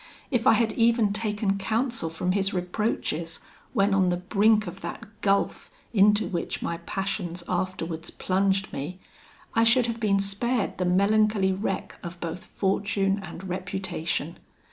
If I had even taken counsel from his reproaches, when on the brink of that gulf into which my passions afterwards plunged me, I should have been spared the melancholy wreck of both fortune and reputation.